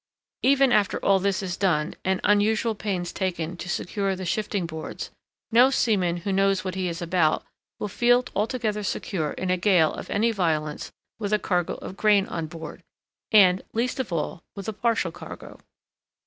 Even after all this is done, and unusual pains taken to secure the shifting boards, no seaman who knows what he is about will feel altogether secure in a gale of any violence with a cargo of grain on board, and, least of all, with a partial cargo.